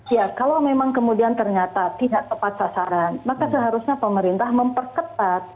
ya kalau memang kemudian ternyata tidak tepat sasaran maka seharusnya pemerintah memperketat